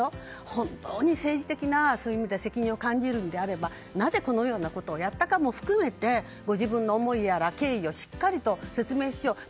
本当に政治的な責任を感じるのであればなぜこのようなことをやったかも含めてご自分の思いやら経緯やらをしっかりと説明しようと。